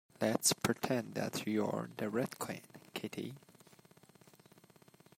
Let’s pretend that you’re the Red Queen, Kitty!